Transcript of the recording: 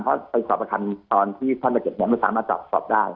เพราะไปสอบประคำตอนที่ท่านมาเก็บเนี่ยไม่สามารถสอบได้